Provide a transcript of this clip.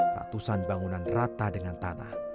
ratusan bangunan rata dengan tanah